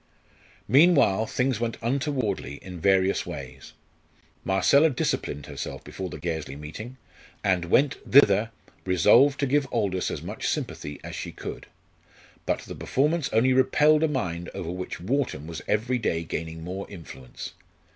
Meanwhile, things went untowardly in various ways. Marcella disciplined herself before the Gairsley meeting, and went thither resolved to give Aldous as much sympathy as she could. But the performance only repelled a mind over which Wharton was every day gaining more influence.